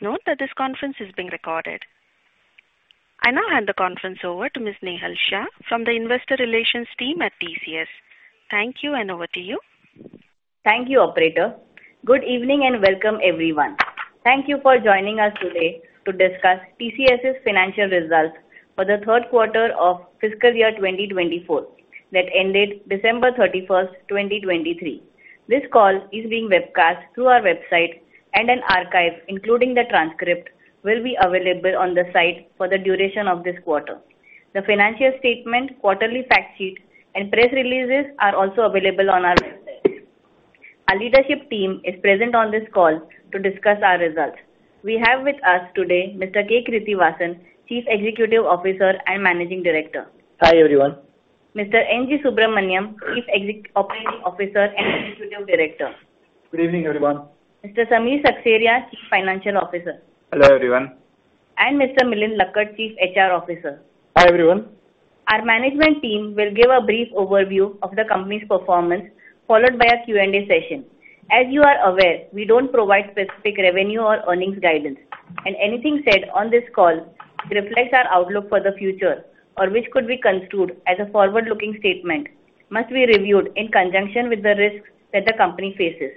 Please note that this conference is being recorded. I now hand the conference over to Ms. Nehal Shah from the investor relations team at TCS. Thank you, and over to you. Thank you, operator. Good evening, and welcome everyone. Thank you for joining us today to discuss TCS's financial results for the third quarter of fiscal year 2024, that ended December 31, 2023. This call is being webcast through our website, and an archive, including the transcript, will be available on the site for the duration of this quarter. The financial statement, quarterly fact sheet, and press releases are also available on our website. Our leadership team is present on this call to discuss our results. We have with us today Mr. K. Krithivasan, Chief Executive Officer and Managing Director. Hi, everyone. Mr. N. Ganapathy Subramaniam, Chief Operating Officer and Executive Director. Good evening, everyone. Mr. Samir Seksaria, Chief Financial Officer. Hello, everyone. Mr. Milind Lakkad, Chief HR Officer. Hi, everyone. Our management team will give a brief overview of the company's performance, followed by a Q&A session. As you are aware, we don't provide specific revenue or earnings guidance, and anything said on this call reflects our outlook for the future, or which could be construed as a forward-looking statement, must be reviewed in conjunction with the risks that the company faces.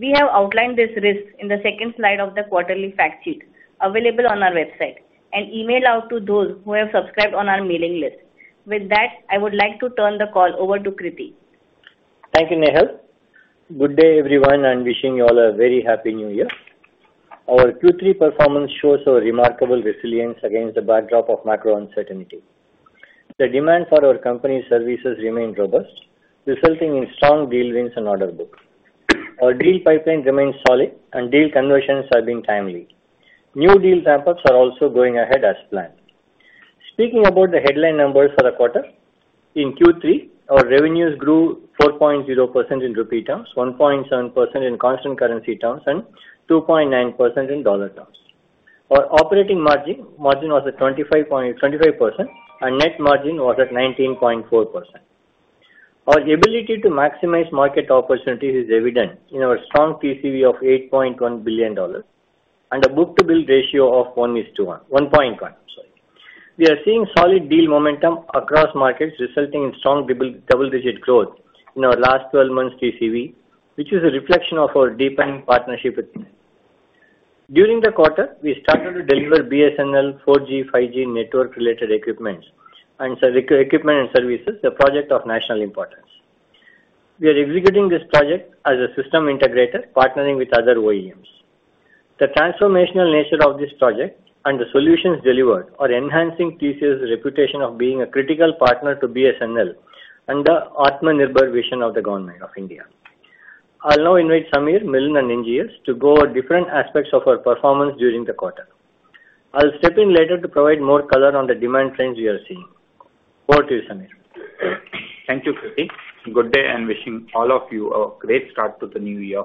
We have outlined this risk in the second slide of the quarterly fact sheet available on our website, and emailed out to those who have subscribed on our mailing list. With that, I would like to turn the call over to Krithi. Thank you, Nehal. Good day, everyone, and wishing you all a very Happy New Year. Our Q3 performance shows a remarkable resilience against the backdrop of macro uncertainty. The demand for our company's services remained robust, resulting in strong deal wins and order book. Our deal pipeline remains solid and deal conversions are being timely. New deal ramp-ups are also going ahead as planned. Speaking about the headline numbers for the quarter, in Q3, our revenues grew 4.0% in rupee terms, 1.7% in constant currency terms, and 2.9% in dollar terms. Our operating margin was at 25% and net margin was at 19.4%. Our ability to maximize market opportunities is evident in our strong TCV of $8.1 billion and a book-to-bill ratio of 1:1—1.1, sorry. We are seeing solid deal momentum across markets, resulting in strong double-digit growth in our last twelve months TCV, which is a reflection of our deepening partnership with them. During the quarter, we started to deliver BSNL 4G, 5G network-related equipment and services, the project of national importance. We are executing this project as a system integrator, partnering with other OEMs. The transformational nature of this project and the solutions delivered are enhancing TCS' reputation of being a critical partner to BSNL and the Atmanirbhar vision of the Government of India. I'll now invite Samir, Milind and NGS to go over different aspects of our performance during the quarter. I'll step in later to provide more color on the demand trends we are seeing. Over to you, Samir. Thank you, Krithi. Good day, and wishing all of you a great start to the new year.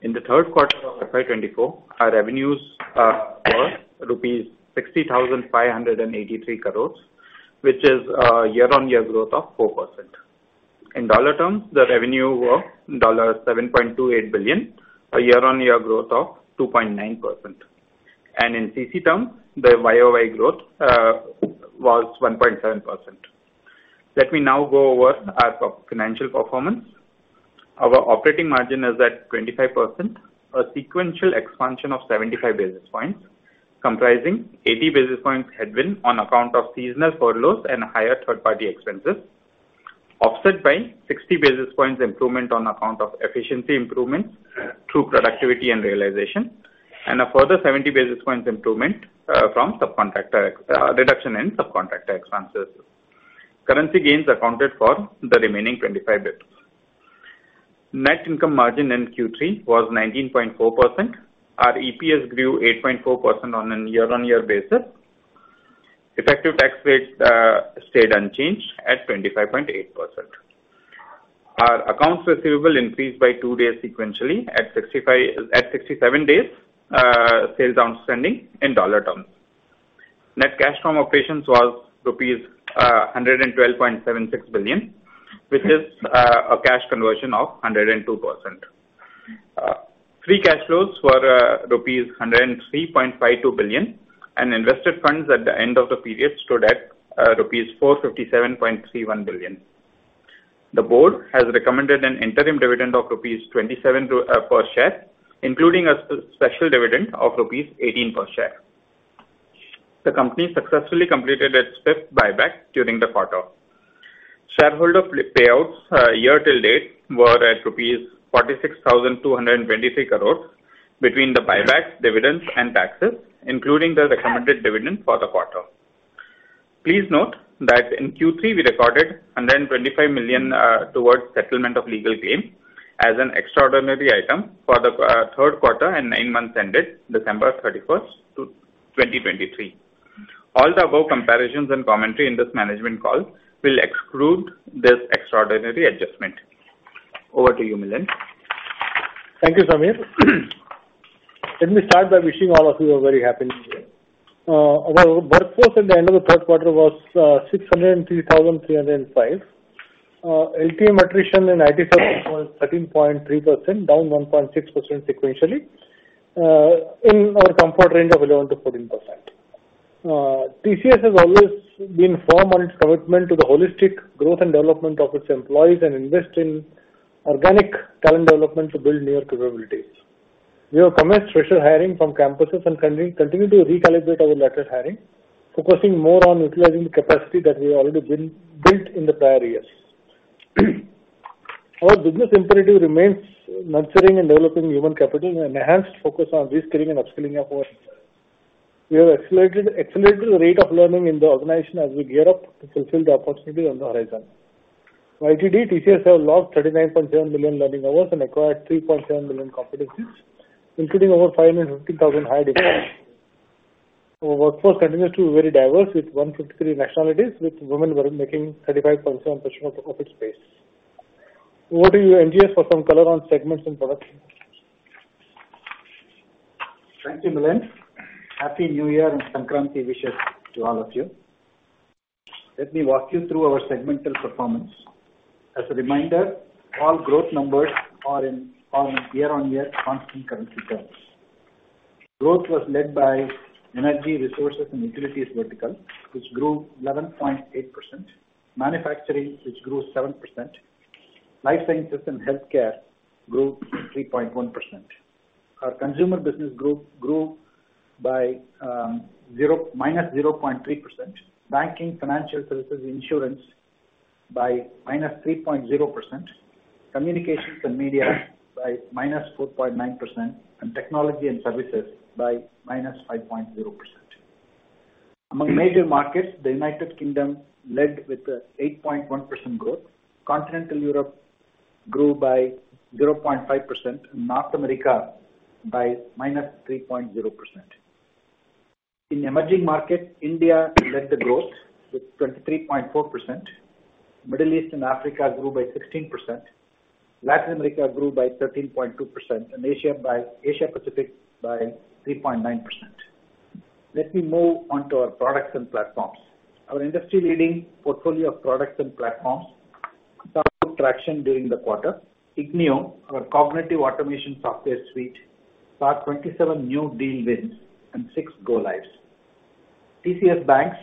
In the third quarter of FY 2024, our revenues were rupees 60,583 crore, which is a year-on-year growth of 4%. In dollar terms, the revenue were $7.28 billion, a year-on-year growth of 2.9%. In CC terms, the YOY growth was 1.7%. Let me now go over our financial performance. Our operating margin is at 25%, a sequential expansion of 75 basis points, comprising 80 basis points headwind on account of seasonal furloughs and higher third-party expenses, offset by 60 basis points improvement on account of efficiency improvements through productivity and realization, and a further 70 basis points improvement from subcontractor reduction in subcontractor expenses. Currency gains accounted for the remaining 25 basis. Net income margin in Q3 was 19.4%. Our EPS grew 8.4% on an year-on-year basis. Effective tax rates stayed unchanged at 25.8%. Our accounts receivable increased by 2 days sequentially at 67 days sales outstanding in dollar terms. Net cash from operations was rupees 112.76 billion, which is a cash conversion of 102%. Free cash flows were rupees 103.52 billion, and invested funds at the end of the period stood at rupees 457.31 billion. The board has recommended an interim dividend of rupees 27 per share, including a special dividend of rupees 18 per share. The company successfully completed its fifth buyback during the quarter. Shareholder payouts year till date were at rupees 46,223 crore between the buybacks, dividends and taxes, including the recommended dividend for the quarter. Please note that in Q3, we recorded 125 million towards settlement of legal claim as an extraordinary item for the third quarter and nine months ended December thirty-first, 2023. All the above comparisons and commentary in this management call will exclude this extraordinary adjustment. Over to you, Milind. Thank you, Samir. Let me start by wishing all of you a very happy new year. Our workforce at the end of the third quarter was 603,305. LTM attrition in IT services was 13.3%, down 1.6% sequentially, in our comfort range of 11%-14%. TCS has always been firm on its commitment to the holistic growth and development of its employees, and invest in organic talent development to build newer capabilities. We have commenced special hiring from campuses and continue to recalibrate our latest hiring, focusing more on utilizing the capacity that we have already built in the prior years. Our business imperative remains nurturing and developing human capital and enhanced focus on reskilling and upskilling our force. We have accelerated the rate of learning in the organization as we gear up to fulfill the opportunities on the horizon. YTD, TCS have logged 39.7 million learning hours and acquired 3.7 million competencies, including over 550,000 high degrees. Our workforce continues to be very diverse, with 153 nationalities, with women making 35.7% of its base. Over to you, NGS, for some color on segments and products. Thank you, Milind. Happy New Year and Sankranti wishes to all of you. Let me walk you through our segmental performance. As a reminder, all growth numbers are in year-on-year constant currency terms. Growth was led by energy resources and utilities vertical, which grew 11.8%. Manufacturing, which grew 7%. Life sciences and healthcare grew 3.1%. Our consumer business group grew by minus 0.3%. Banking, financial services, insurance by minus 3.0%. Communications and media, by minus 4.9%. And technology and services by minus 5.0%. Among major markets, the United Kingdom led with 8.1% growth. Continental Europe grew by 0.5%, and North America by minus 3.0%. In emerging markets, India led the growth with 23.4%. Middle East and Africa grew by 16%. Latin America grew by 13.2%, and Asia Pacific by 3.9%. Let me move on to our products and platforms. Our industry-leading portfolio of products and platforms saw good traction during the quarter. ignio, our cognitive automation software suite, saw 27 new deal wins and six go-lives. TCS BaNCS,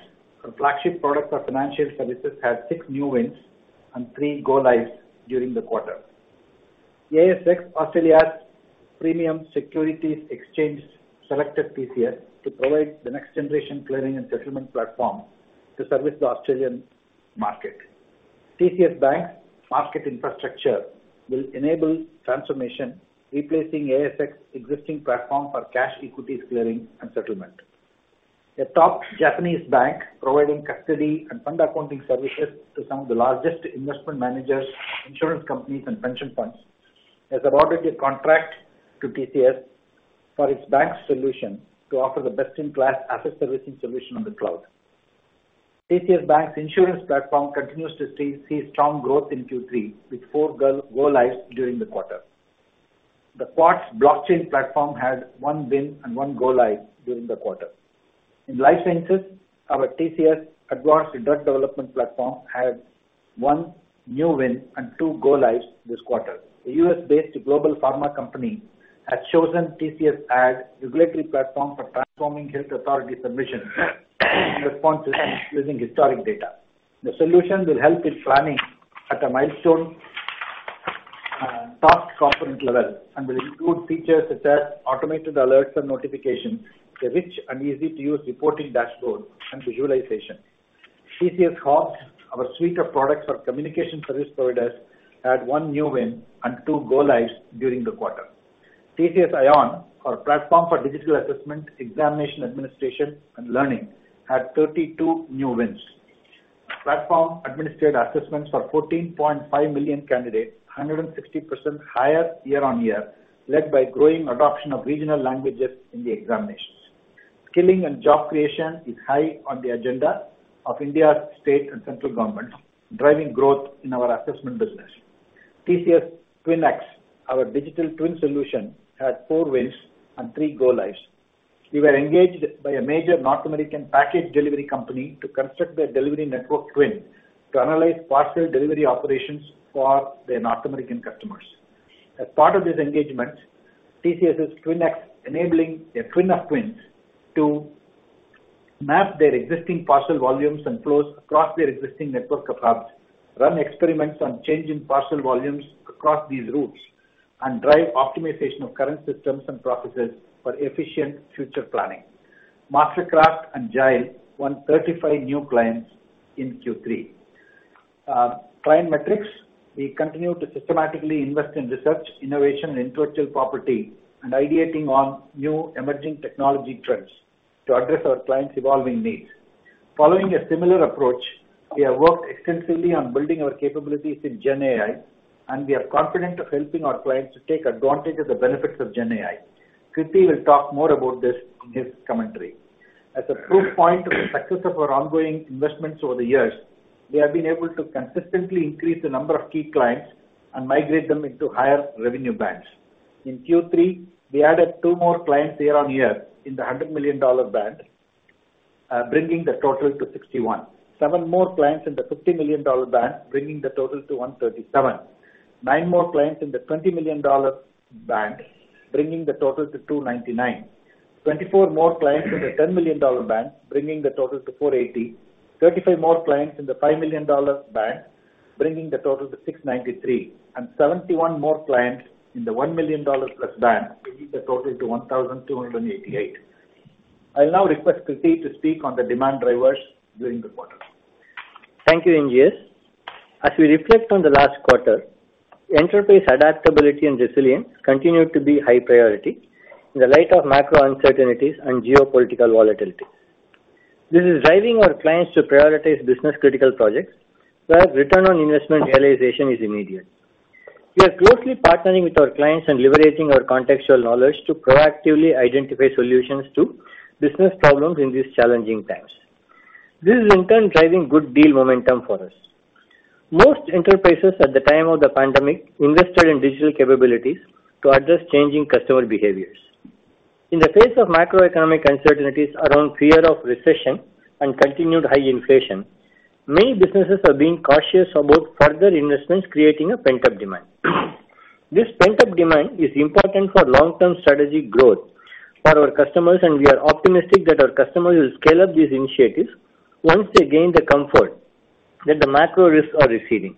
our flagship product for financial services, had six new wins and three go-lives during the quarter. ASX Australia's premium Securities Exchange selected TCS to provide the next-generation clearing and settlement platform to service the Australian market. TCS BaNCS market infrastructure will enable transformation, replacing ASX's existing platform for cash equities clearing and settlement. A top Japanese bank providing custody and fund accounting services to some of the largest investment managers, insurance companies and pension funds has awarded a contract to TCS for its BaNCSk solution to offer the best-in-class asset servicing solution on the cloud. TCS BaNCS insurance platform continues to see strong growth in Q3, with four go-lives during the quarter. The Quartz blockchain platform had one win and one go-live during the quarter. In life sciences, our TCS Advanced Drug Development Platform had one new win and two go-lives this quarter. A U.S.-based global pharma company has chosen TCS as regulatory platform for transforming health authority submission and responses using historic data. The solution will help in planning at a milestone, task component level, and will include features such as automated alerts and notifications, a rich and easy-to-use reporting dashboard and visualization. TCS Hawk, our suite of products for communication service providers, had one new win and two go-lives during the quarter. TCS iON, our platform for digital assessment, examination, administration and learning, had 32 new wins. The platform administered assessments for 14.5 million candidates, 160% higher year-on-year, led by growing adoption of regional languages in the examinations. Skilling and job creation is high on the agenda of India's state and central government, driving growth in our assessment business. TCS TwinX, our digital twin solution, had 4 wins and 3 go-lives. We were engaged by a major North American package delivery company to construct their delivery network twin to analyze parcel delivery operations for their North American customers. As part of this engagement, TCS TwinX enabling a twin of twins to map their existing parcel volumes and flows across their existing network of hubs, run experiments on change in parcel volumes across these routes, and drive optimization of current systems and processes for efficient future planning. MasterCraft and Jile won 35 new clients in Q3. Client metrics. We continue to systematically invest in research, innovation, and intellectual property, and ideating on new emerging technology trends to address our clients' evolving needs. Following a similar approach, we have worked extensively on building our capabilities in GenAI, and we are confident of helping our clients to take advantage of the benefits of GenAI. Krithi will talk more about this in his commentary. As a proof point of the success of our ongoing investments over the years, we have been able to consistently increase the number of key clients and migrate them into higher revenue bands. In Q3, we added 2 more clients year-on-year in the $100 million band, bringing the total to 61. 7 more clients in the $50 million band, bringing the total to 137. 9 more clients in the $20 million band, bringing the total to 299. 24 more clients in the $10 million band, bringing the total to 480. 35 more clients in the $5 million band, bringing the total to 693. And 71 more clients in the $1 million+ band, bringing the total to 1,288. I'll now request Krithi to speak on the demand drivers during the quarter. Thank you, NGS. As we reflect on the last quarter, enterprise adaptability and resilience continued to be high priority in the light of macro uncertainties and geopolitical volatility. This is driving our clients to prioritize business-critical projects, where return on investment realization is immediate. We are closely partnering with our clients and leveraging our contextual knowledge to proactively identify solutions to business problems in these challenging times. This is in turn driving good deal momentum for us. Most enterprises, at the time of the pandemic, invested in digital capabilities to address changing customer behaviors. In the face of macroeconomic uncertainties around fear of recession and continued high inflation, many businesses are being cautious about further investments, creating a pent-up demand. This pent-up demand is important for long-term strategic growth for our customers, and we are optimistic that our customers will scale up these initiatives once they gain the comfort that the macro risks are receding.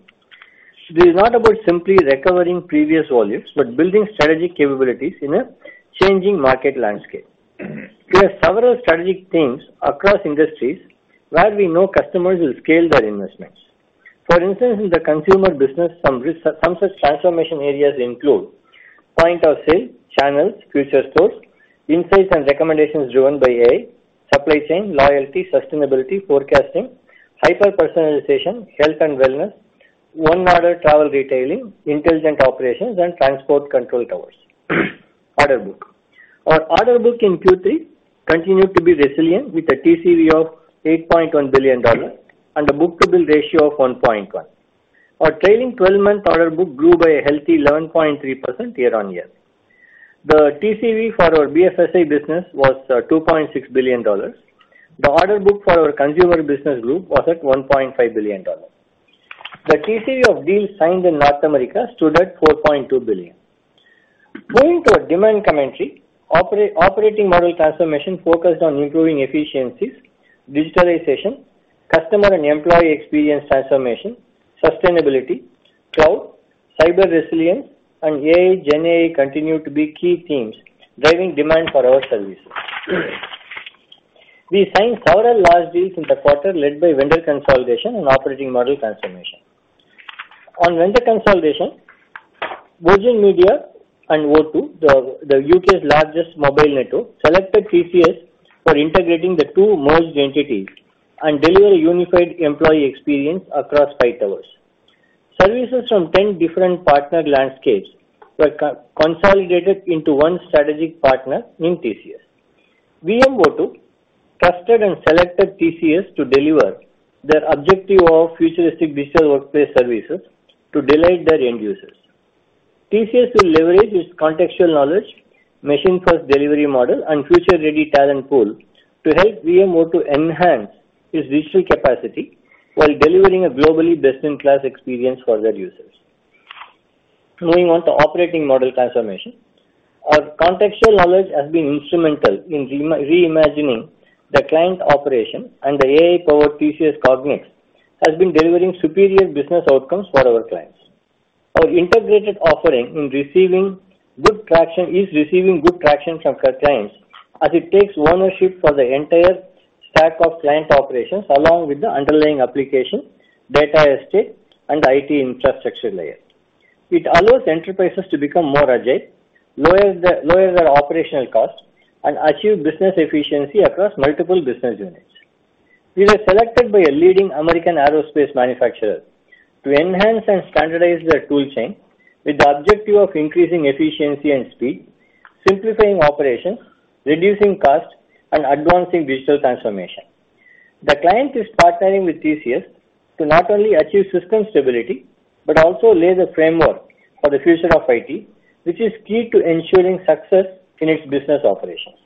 This is not about simply recovering previous volumes, but building strategic capabilities in a changing market landscape. We have several strategic themes across industries where we know customers will scale their investments. For instance, in the consumer business, some such transformation areas include point of sale, channels, future stores, insights and recommendations driven by AI, supply chain, loyalty, sustainability, forecasting, hyper-personalization, health and wellness, one model travel retailing, intelligent operations, and transport control towers. Order book. Our order book in Q3 continued to be resilient, with a TCV of $8.1 billion and a book-to-bill ratio of 1.1. Our trailing twelve-month order book grew by a healthy 11.3% year on year. The TCV for our BFSI business was $2.6 billion. The order book for our consumer business group was at $1.5 billion. The TCV of deals signed in North America stood at $4.2 billion. Going to our demand commentary, operating model transformation focused on improving efficiencies, digitalization, customer and employee experience transformation, sustainability, cloud, cyber resilience, and AI. GenAI continue to be key themes, driving demand for our services. We signed several large deals in the quarter, led by vendor consolidation and operating model transformation. On vendor consolidation, Virgin Media O2, the UK's largest mobile network, selected TCS for integrating the two merged entities and deliver a unified employee experience across five towers. Services from 10 different partner landscapes were co-consolidated into one strategic partner in TCS. VMO2 trusted and selected TCS to deliver their objective of futuristic digital workplace services to delight their end users. TCS will leverage its contextual knowledge, Machine First delivery model, and future-ready talent pool to help VMO2 enhance its digital capacity while delivering a globally best-in-class experience for their users. Moving on to operating model transformation. Our contextual knowledge has been instrumental in reimagining the client operation, and the AI-powered TCS Cognix has been delivering superior business outcomes for our clients. Our integrated offering is receiving good traction from clients, as it takes ownership for the entire stack of client operations, along with the underlying application, data estate, and IT infrastructure layer. It allows enterprises to become more agile, lower their operational costs, and achieve business efficiency across multiple business units. We were selected by a leading American aerospace manufacturer to enhance and standardize their tool chain with the objective of increasing efficiency and speed, simplifying operations, reducing costs, and advancing digital transformation. The client is partnering with TCS to not only achieve system stability, but also lay the framework for the future of IT, which is key to ensuring success in its business operations.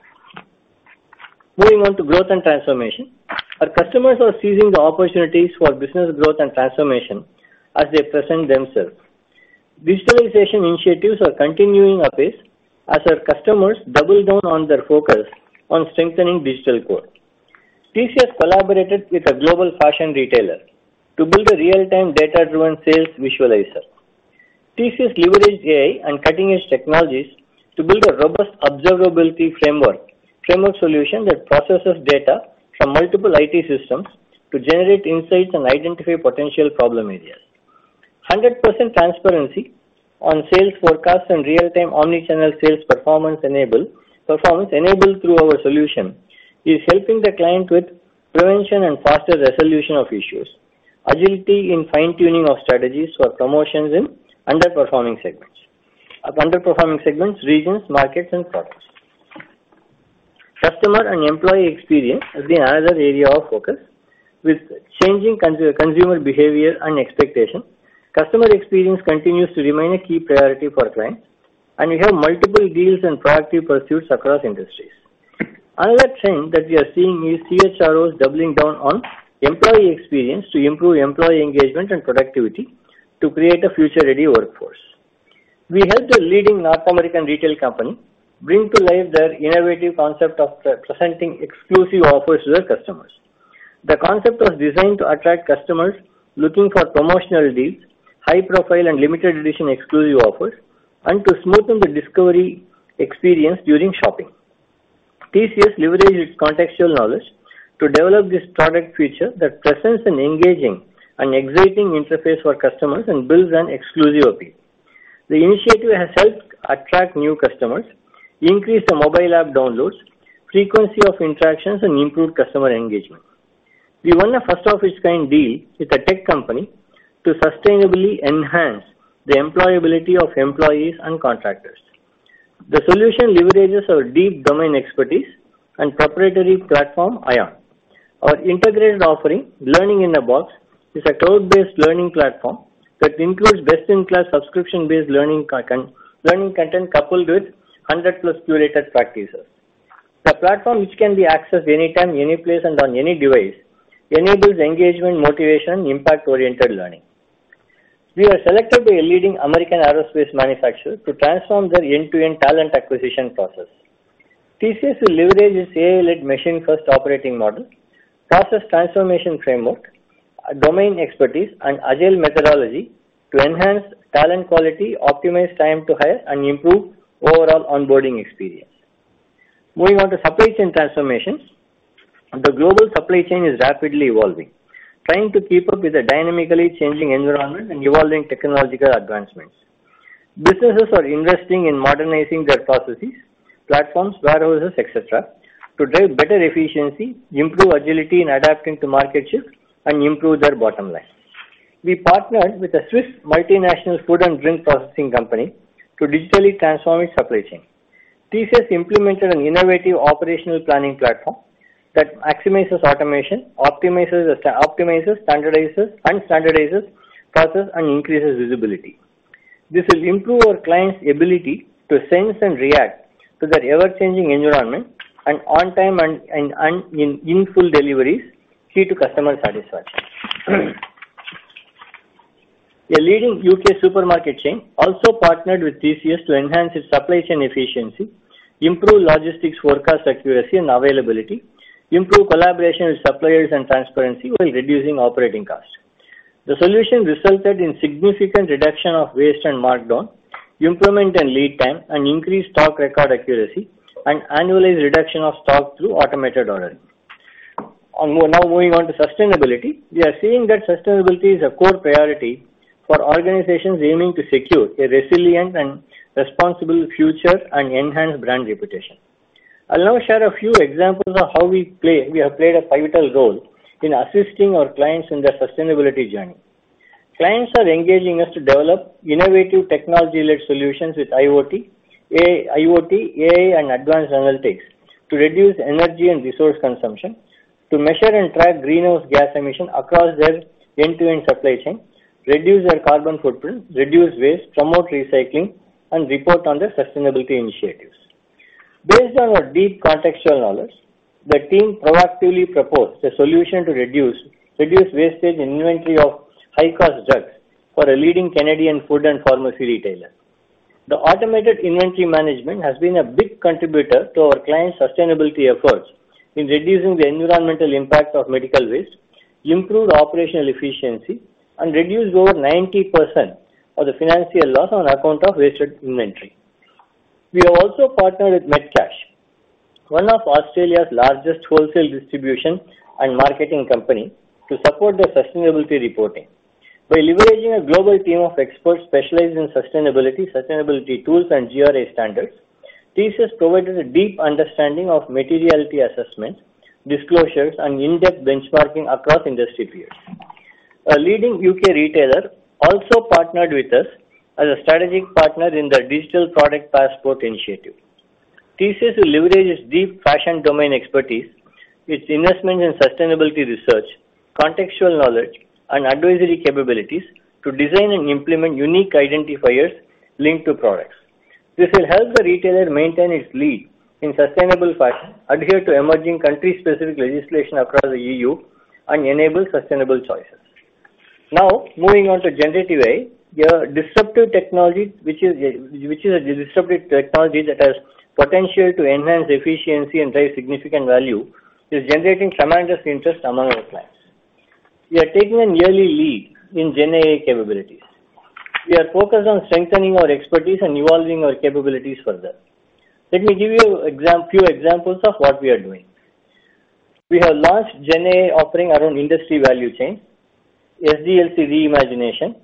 Moving on to growth and transformation. Our customers are seizing the opportunities for business growth and transformation as they present themselves. Digitalization initiatives are continuing apace as our customers double down on their focus on strengthening digital core. TCS collaborated with a global fashion retailer to build a real-time, data-driven sales visualizer. TCS leveraged AI and cutting-edge technologies to build a robust observability framework solution that processes data from multiple IT systems to generate insights and identify potential problem areas. 100% transparency on sales forecasts and real-time omni-channel sales performance enabled through our solution is helping the client with prevention and faster resolution of issues, agility in fine-tuning of strategies for promotions in underperforming segments, regions, markets, and products. Customer and employee experience has been another area of focus. With changing consumer behavior and expectation, customer experience continues to remain a key priority for clients, and we have multiple deals and proactive pursuits across industries. Another trend that we are seeing is CHROs doubling down on employee experience to improve employee engagement and productivity to create a future-ready workforce. We helped a leading North American retail company bring to life their innovative concept of pre-presenting exclusive offers to their customers. The concept was designed to attract customers looking for promotional deals, high-profile and limited edition exclusive offers, and to smoothen the discovery experience during shopping. TCS leveraged its contextual knowledge to develop this product feature that presents an engaging and exciting interface for customers and builds an exclusive appeal. The initiative has helped attract new customers, increase the mobile app downloads, frequency of interactions, and improve customer engagement. We won a first-of-its-kind deal with a tech company to sustainably enhance the employability of employees and contractors. The solution leverages our deep domain expertise and proprietary platform, iON. Our integrated offering, Learning in a Box, is a cloud-based learning platform that includes best-in-class subscription-based learning content, coupled with 100+ curated practices. The platform, which can be accessed anytime, any place, and on any device, enables engagement, motivation, impact-oriented learning. We are selected by a leading American aerospace manufacturer to transform their end-to-end talent acquisition process. TCS will leverage its AI-led machine-first operating model, process transformation framework, domain expertise, and agile methodology to enhance talent quality, optimize time to hire, and improve overall onboarding experience. Moving on to supply chain transformation. The global supply chain is rapidly evolving, trying to keep up with the dynamically changing environment and evolving technological advancements. Businesses are investing in modernizing their processes, platforms, warehouses, et cetera, to drive better efficiency, improve agility in adapting to market shifts, and improve their bottom line. We partnered with a Swiss multinational food and drink processing company to digitally transform its supply chain. TCS implemented an innovative operational planning platform that maximizes automation, optimizes, standardizes, and standardizes process, and increases visibility. This will improve our client's ability to sense and react to their ever-changing environment and on-time and in-full deliveries, key to customer satisfaction. A leading UK supermarket chain also partnered with TCS to enhance its supply chain efficiency, improve logistics forecast accuracy and availability, improve collaboration with suppliers and transparency, while reducing operating costs. The solution resulted in significant reduction of waste and markdown, improvement in lead time, and increased stock record accuracy, and annualized reduction of stock through automated ordering. Now moving on to sustainability. We are seeing that sustainability is a core priority for organizations aiming to secure a resilient and responsible future and enhance brand reputation. I'll now share a few examples of how we play-- we have played a pivotal role in assisting our clients in their sustainability journey. Clients are engaging us to develop innovative technology-led solutions with IoT, AI, IoT, AI, and advanced analytics to reduce energy and resource consumption, to measure and track greenhouse gas emissions across their end-to-end supply chain, reduce their carbon footprint, reduce waste, promote recycling, and report on their sustainability initiatives. Based on our deep contextual knowledge, the team proactively proposed a solution to reduce, reduce wastage and inventory of high-cost drugs for a leading Canadian food and pharmacy retailer. The automated inventory management has been a big contributor to our client's sustainability efforts in reducing the environmental impact of medical waste, improve operational efficiency, and reduced over 90% of the financial loss on account of wasted inventory. We have also partnered with Metcash, one of Australia's largest wholesale distribution and marketing company, to support their sustainability reporting. By leveraging a global team of experts specialized in sustainability, sustainability tools, and GRI standards, TCS provided a deep understanding of materiality assessments, disclosures, and in-depth benchmarking across industry peers. A leading UK retailer also partnered with us as a strategic partner in the Digital Product Passport Initiative. TCS will leverage its deep fashion domain expertise, its investment in sustainability research, contextual knowledge, and advisory capabilities to design and implement unique identifiers linked to products. This will help the retailer maintain its lead in sustainable fashion, adhere to emerging country-specific legislation across the EU, and enable sustainable choices. Now, moving on to generative AI. Your disruptive technology, which is a, which is a disruptive technology that has potential to enhance efficiency and drive significant value, is generating tremendous interest among our clients. We are taking an early lead in GenAI capabilities. We are focused on strengthening our expertise and evolving our capabilities further. Let me give you a few examples of what we are doing. We have launched GenAI offering around industry value chain, SDLC Reimagination,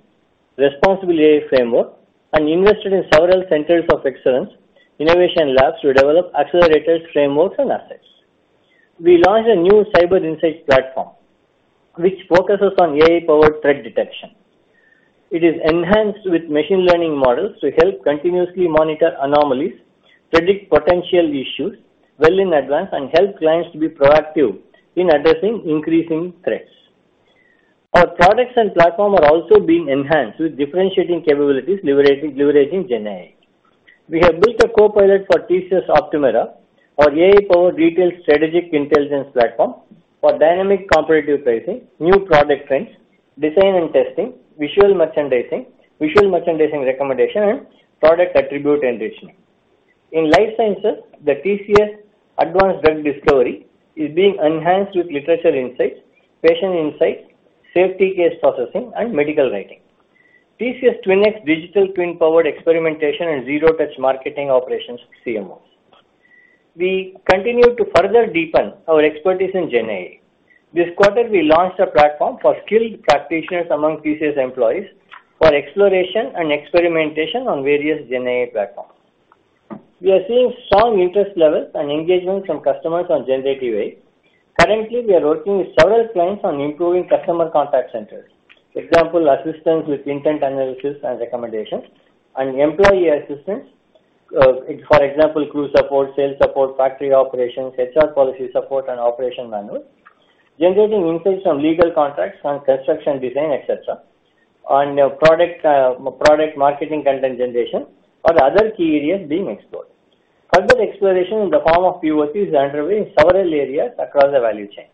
Responsible AI Framework, and invested in several centers of excellence, innovation labs to develop accelerators, frameworks, and assets. We launched a new cyber insights platform, which focuses on AI-powered threat detection. It is enhanced with machine learning models to help continuously monitor anomalies, predict potential issues well in advance, and help clients to be proactive in addressing increasing threats. Our products and platform are also being enhanced with differentiating capabilities, leveraging, leveraging GenAI. We have built a copilot for TCS Optumera, our AI-powered retail strategic intelligence platform for dynamic competitive pricing, new product trends, design and testing, visual merchandising, visual merchandising recommendation, and product attribute and enrichment. In life sciences, the TCS Advanced Drug Development is being enhanced with literature insights, patient insights, safety case processing, and medical writing. TCS TwinX digital twin-powered experimentation and zero-touch marketing operations CMO. We continue to further deepen our expertise in GenAI. This quarter, we launched a platform for skilled practitioners among TCS employees for exploration and experimentation on various GenAI platforms. We are seeing strong interest levels and engagement from customers on generative AI. Currently, we are working with several clients on improving customer contact centers. Example, assistance with intent analysis and recommendations and employee assistance. For example, crew support, sales support, factory operations, HR policy support, and operation manuals. Generating insights from legal contracts and construction design, et cetera, on product, product marketing, content generation, are the other key areas being explored. Further exploration in the form of PoCs is underway in several areas across the value chain.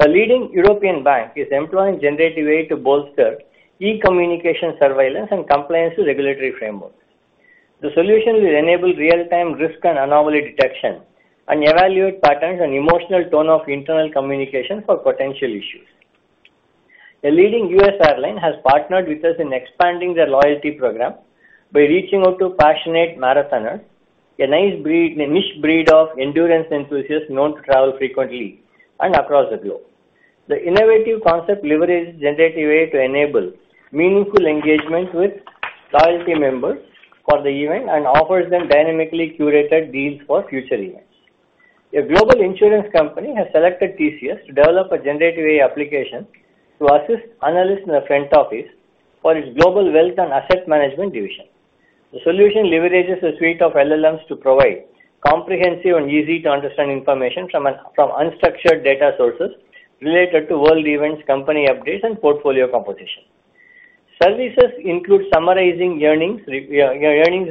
A leading European bank is employing generative AI to bolster e-communication, surveillance, and compliance to regulatory frameworks. The solution will enable real-time risk and anomaly detection and evaluate patterns and emotional tone of internal communication for potential issues. A leading U.S. airline has partnered with us in expanding their loyalty program by reaching out to passionate marathoners, a nice breed - a niche breed of endurance enthusiasts known to travel frequently and across the globe. The innovative concept leverages generative AI to enable meaningful engagement with loyalty members for the event and offers them dynamically curated deals for future events. A global insurance company has selected TCS to develop a generative AI application to assist analysts in the front office for its global wealth and asset management division. The solution leverages a suite of LLMs to provide comprehensive and easy-to-understand information from unstructured data sources related to world events, company updates, and portfolio composition. Services include summarizing earnings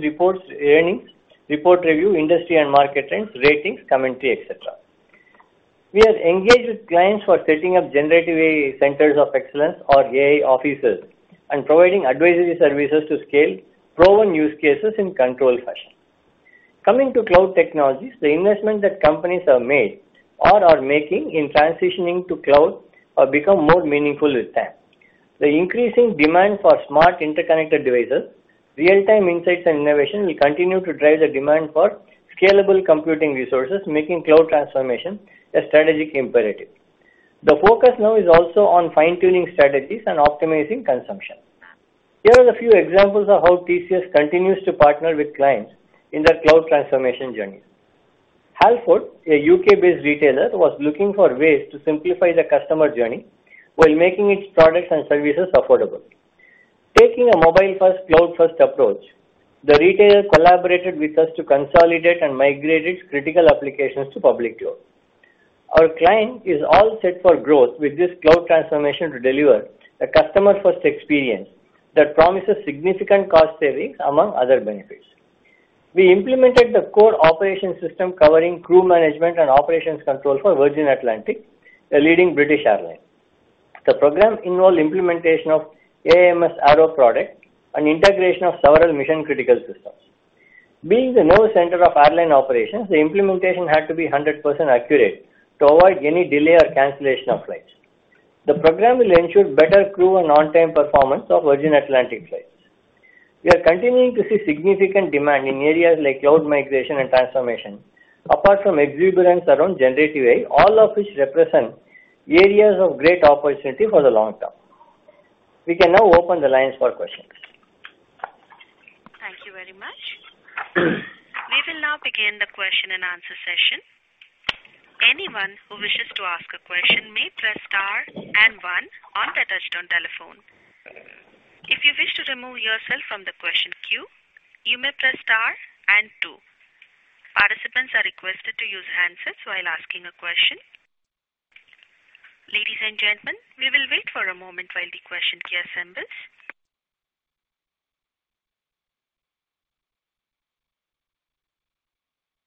reports, earnings report review, industry and market trends, ratings, commentary, et cetera. We are engaged with clients for setting up generative AI centers of excellence or AI offices and providing advisory services to scale proven use cases in controlled fashion. Coming to cloud technologies, the investment that companies have made or are making in transitioning to cloud are become more meaningful with time. The increasing demand for smart, interconnected devices, real-time insights and innovation will continue to drive the demand for scalable computing resources, making cloud transformation a strategic imperative. The focus now is also on fine-tuning strategies and optimizing consumption. Here are a few examples of how TCS continues to partner with clients in their cloud transformation journey. Halfords, a U.K.-based retailer, was looking for ways to simplify the customer journey while making its products and services affordable. Taking a mobile-first, cloud-first approach, the retailer collaborated with us to consolidate and migrate its critical applications to public cloud. Our client is all set for growth with this cloud transformation to deliver a customer-first experience that promises significant cost savings, among other benefits. We implemented the core operation system covering crew management and operations control for Virgin Atlantic, a leading British airline. The program involved implementation of AMS Aero product and integration of several mission-critical systems. Being the nerve center of airline operations, the implementation had to be 100% accurate to avoid any delay or cancellation of flights. The program will ensure better crew and on-time performance of Virgin Atlantic flights. We are continuing to see significant demand in areas like cloud migration and transformation, apart from exuberance around generative AI, all of which represent areas of great opportunity for the long term. We can now open the lines for questions. Thank you very much. We will now begin the question-and-answer session. Anyone who wishes to ask a question may press star and one on the touchtone telephone. If you wish to remove yourself from the question queue, you may press star and two. Participants are requested to use handsets while asking a question. Ladies and gentlemen, we will wait for a moment while the question queue assembles.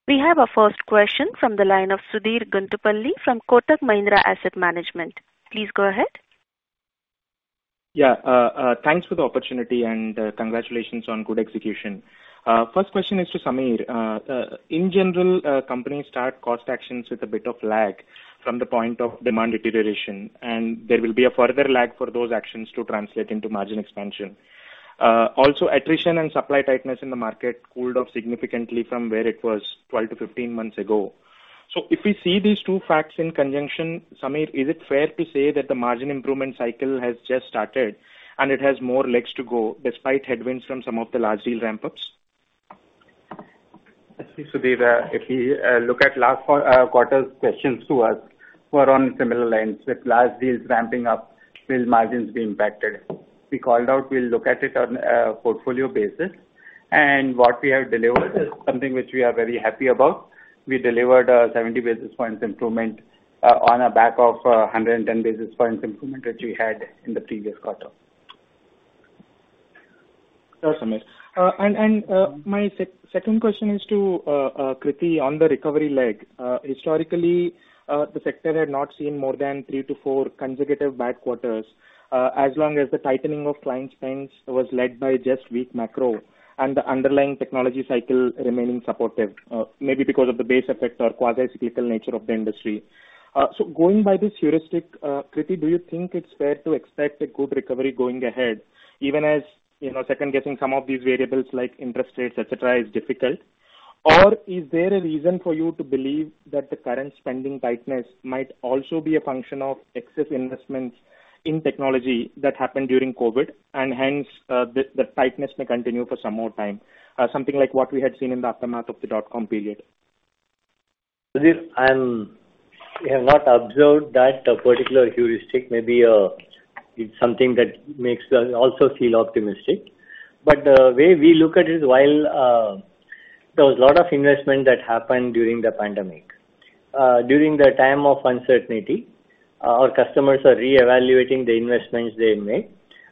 We have our first question from the line of Sudheer Guntupalli from Kotak Mahindra Asset Management. Please go ahead. Yeah, thanks for the opportunity, and, congratulations on good execution. First question is to Samir. In general, companies start cost actions with a bit of lag from the point of demand deterioration, and there will be a further lag for those actions to translate into margin expansion. Also, attrition and supply tightness in the market cooled off significantly from where it was 12-15 months ago. So if we see these two facts in conjunction, Samir, is it fair to say that the margin improvement cycle has just started and it has more legs to go, despite headwinds from some of the large deal ramp-ups?... Sudheer, if we look at last quarter's questions to us, were on similar lines, with large deals ramping up, will margins be impacted? We called out, we'll look at it on a portfolio basis, and what we have delivered is something which we are very happy about. We delivered a 70 basis points improvement, on a back of 110 basis points improvement which we had in the previous quarter. Sure, Samir. And my second question is to Krithi on the recovery leg. Historically, the sector had not seen more than three to four consecutive bad quarters, as long as the tightening of client spends was led by just weak macro and the underlying technology cycle remaining supportive, maybe because of the base effect or quasi-cyclical nature of the industry. So going by this heuristic, Krithi, do you think it's fair to expect a good recovery going ahead, even as, you know, second guessing some of these variables like interest rates, et cetera, is difficult? Or is there a reason for you to believe that the current spending tightness might also be a function of excess investments in technology that happened during COVID, and hence, the tightness may continue for some more time, something like what we had seen in the aftermath of the dot-com period? Sudheer, I'm we have not observed that particular heuristic. Maybe, it's something that makes us also feel optimistic. But the way we look at it is, while, there was a lot of investment that happened during the pandemic, during the time of uncertainty, our customers are reevaluating the investments they made,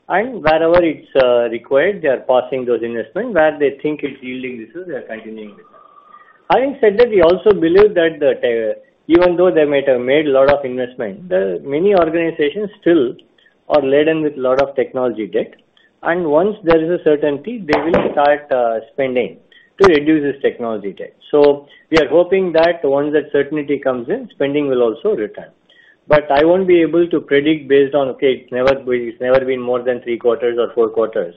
and wherever it's, required, they are pausing those investments. Where they think it's yielding results, they are continuing with. Having said that, we also believe that the even though they might have made a lot of investment, the many organizations still are laden with a lot of technology debt, and once there is a certainty, they will start, spending to reduce this technology debt. So we are hoping that once that certainty comes in, spending will also return. But I won't be able to predict based on, okay, it's never, it's never been more than three quarters or four quarters.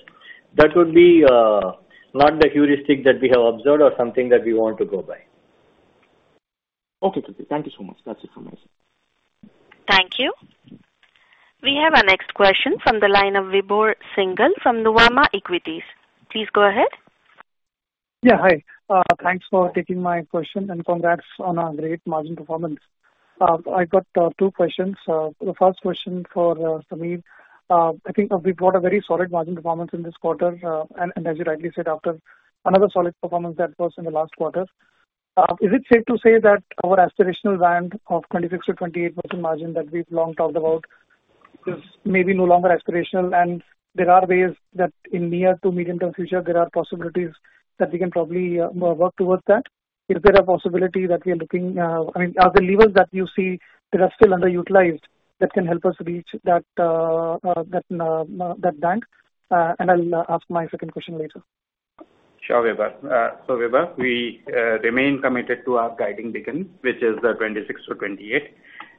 That would be not the heuristic that we have observed or something that we want to go by. Okay, Krithi. Thank you so much. That's it from us. Thank you. We have our next question from the line of Vibhor Singhal from Nuvama Equities. Please go ahead. Yeah, hi. Thanks for taking my question, and congrats on a great margin performance. I've got two questions. The first question for Samir. I think we've got a very solid margin performance in this quarter. And as you rightly said, after another solid performance that was in the last quarter. Is it safe to say that our aspirational band of 26%-28% margin that we've long talked about is maybe no longer aspirational, and there are ways that in near- to medium-term future, there are possibilities that we can probably work towards that? Is there a possibility that we are looking... I mean, are the levers that you see that are still underutilized, that can help us reach that band? And I'll ask my second question later. Sure, Vibhor. So Vibhor, we remain committed to our guiding beacon, which is the 26-28.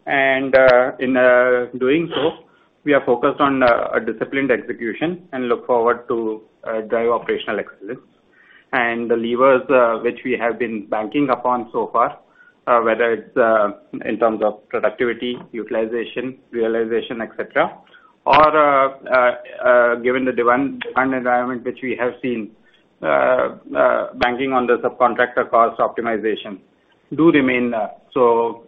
And, in doing so, we are focused on a disciplined execution and look forward to drive operational excellence. And the levers which we have been banking upon so far, whether it's in terms of productivity, utilization, realization, et cetera, or, given the demand environment which we have seen, banking on the subcontractor cost optimization do remain. So,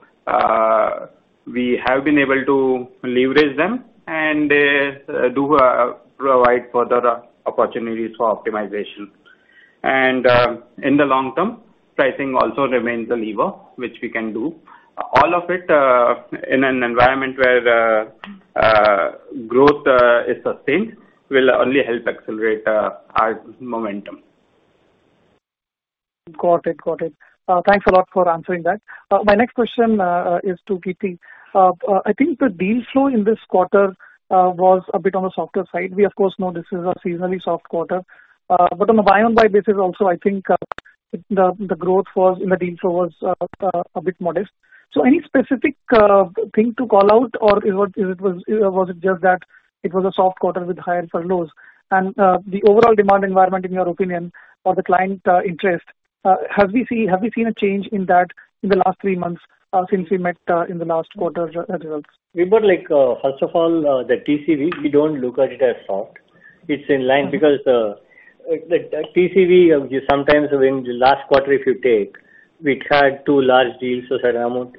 we have been able to leverage them, and they do provide further opportunities for optimization. And, in the long term, pricing also remains a lever, which we can do. All of it, in an environment where growth is sustained, will only help accelerate our momentum. Got it. Got it. Thanks a lot for answering that. My next question is to Krithi. I think the deal flow in this quarter was a bit on the softer side. We of course know this is a seasonally soft quarter, but on a year-on-year basis also, I think the growth in the deal flow was a bit modest. So any specific thing to call out, or was it just that it was a soft quarter with higher furloughs? And the overall demand environment, in your opinion, or the client interest, have we seen a change in that in the last three months since we met in the last quarter as well? Vibhor, like, first of all, the TCV, we don't look at it as soft. It's in line because, the TCV, sometimes when the last quarter, if you take, we've had two large deals, so certain amount,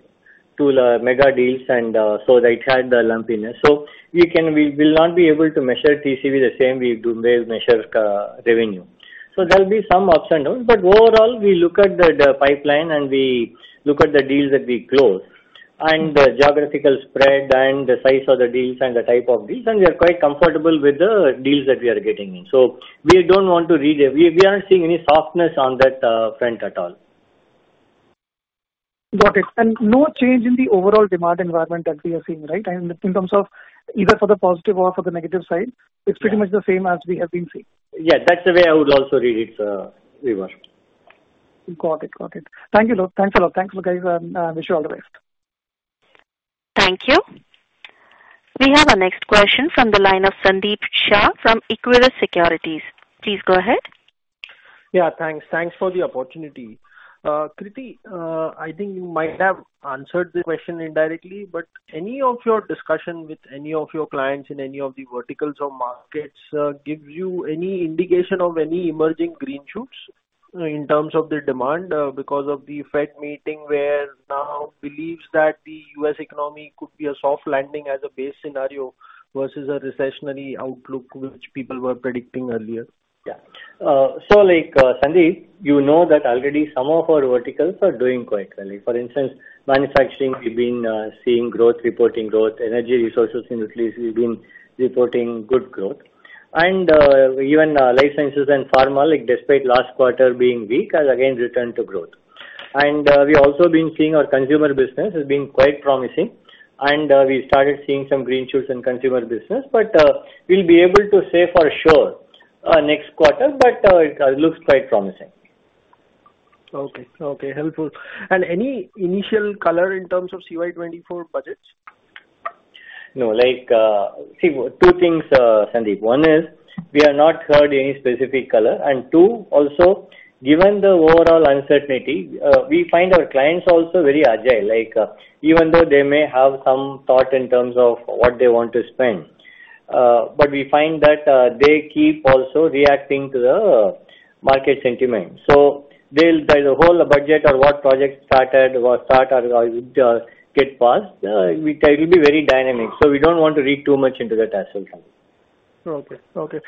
two, mega deals, and, so it had the lumpiness. So we can, we will not be able to measure TCV the same we do, measure, revenue. So there'll be some ups and downs, but overall, we look at the pipeline and we look at the deals that we closed, and the geographical spread and the size of the deals and the type of deals, and we are quite comfortable with the deals that we are getting in. So we don't want to read it. We aren't seeing any softness on that, front at all. Got it. And no change in the overall demand environment that we are seeing, right? And in terms of either for the positive or for the negative side, it's pretty much the same as we have been seeing. Yeah, that's the way I would also read it, Vibhor. Got it. Got it. Thank you, lot. Thanks a lot. Thanks, you guys, and wish you all the best. Thank you. We have our next question from the line of Sandeep Shah from Equirus Securities. Please go ahead. Yeah, thanks. Thanks for the opportunity. Krithi, I think you might have answered the question indirectly, but any of your discussion with any of your clients in any of the verticals or markets, gives you any indication of any emerging green shoots? ... In terms of the demand, because of the Fed meeting, where now believes that the U.S. economy could be a soft landing as a base scenario versus a recessionary outlook, which people were predicting earlier. Yeah. So like, Sandeep, you know that already some of our verticals are doing quite well. For instance, manufacturing, we've been seeing growth, reporting growth. Energy resources, industrials, we've been reporting good growth. And even life sciences and pharma, like, despite last quarter being weak, has again returned to growth. And we've also been seeing our consumer business has been quite promising, and we started seeing some green shoots in consumer business. But we'll be able to say for sure next quarter, but it looks quite promising. Okay. Okay, helpful. Any initial color in terms of CY 2024 budgets? No. Like, see, two things, Sandeep. One is, we have not heard any specific color, and two, also, given the overall uncertainty, we find our clients also very agile. Like, even though they may have some thought in terms of what they want to spend, but we find that, they keep also reacting to the market sentiment. So they'll, the whole budget or what project started or start or, get passed, it will be very dynamic. So we don't want to read too much into that as well. Okay, okay.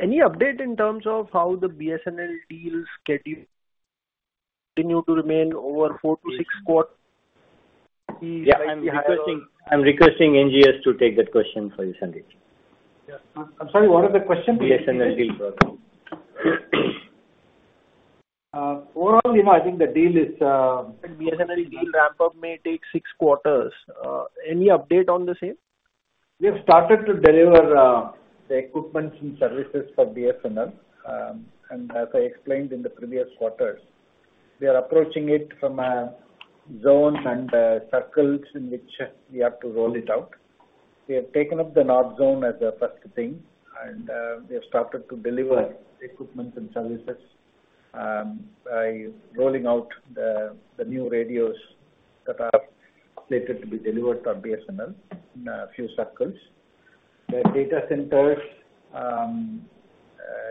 Any update in terms of how the BSNL deals continue to remain over 4-6 quarters? Yeah, I'm requesting. I'm requesting NGS to take that question for you, Sandeep. Yeah. I'm sorry, what was the question? BSNL deal. Overall, you know, I think the deal is, BSNL deal ramp up may take six quarters. Any update on the same? We have started to deliver, the equipments and services for BSNL. And as I explained in the previous quarters, we are approaching it from a zone and, circles in which we have to roll it out. We have taken up the North Zone as a first thing, and, we have started to deliver equipments and services, by rolling out the, the new radios that are slated to be delivered on BSNL in a few circles. The data centers,